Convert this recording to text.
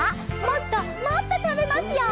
もっともっとたべますよ！